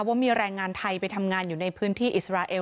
ว่ามีแรงงานไทยไปทำงานอยู่ในพื้นที่อิสราเอล